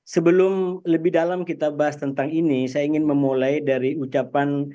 sebelum lebih dalam kita bahas tentang ini saya ingin memulai dari ucapan